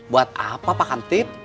buat apa pak kantip